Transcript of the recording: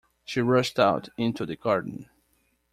She rushed out into the garden.